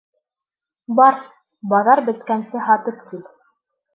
Бар, баҙар бөткәнсе һатып кил.